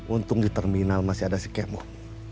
untung di terminal masih ada si kemot